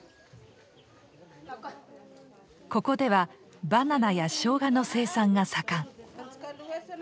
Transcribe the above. ここではバナナやショウガの生産が盛ん。